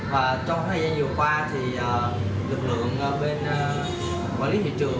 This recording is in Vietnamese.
và trong thời gian vừa qua thì lực lượng bên quản lý thị trường